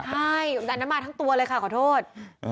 ใช่อันนั้นมาทั้งตัวเลยค่ะขอโทษ